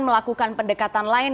melakukan pendekatan lain